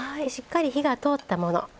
しっかり火が通ったもの